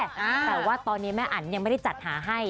แต่ว่าตอนนี้แม่อันยังไม่ได้จัดหาให้